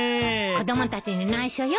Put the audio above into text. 子供たちに内緒よ？